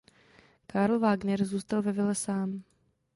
Karl Wagner zůstal ve vile sám.